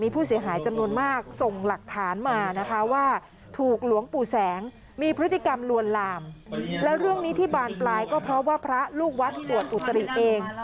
ปลายก็เพราะว่าพระลูกวัดอวดอุตริเอง